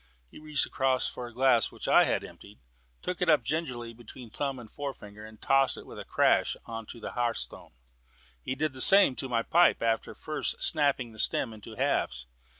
He reached across for the glass which I had emptied, took it up gingerly between thumb and forefinger, and tossed it with a crash on to the hearthstone. He then did the same to my pipe, after first snapping the stem into halves.